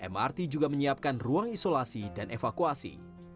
mrt juga menyiapkan ruang isolasi dan evakuasi